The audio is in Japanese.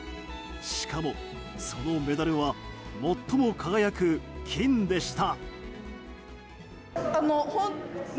しかも、そのメダルは最も輝く金でした。